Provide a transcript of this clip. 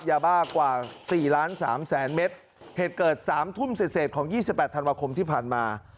ยาบ้ากว่า๔ล้าน๓แสนเมตรเหตุเกิด๓ทุ่มเศษของ๒๘ธันวาคมที่ผ่านมา